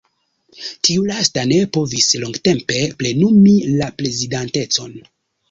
Tiu lasta ne povis longtempe plenumi la prezidantecon.